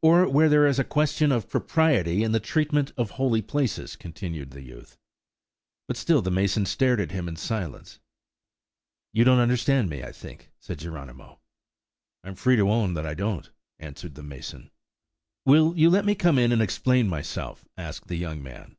"Or where there is a question of propriety in the treatment of holy places," continued the youth; but still the mason stared at him in silence. "You don't understand me, I think," said Geronimo "I'm free to own I don't," answered the mason. "Will you let me come in and explain myself?" asked the young man.